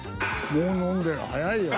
もう飲んでる早いよ。